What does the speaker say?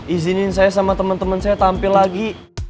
izinin saya sama temen temen saya tampil lagi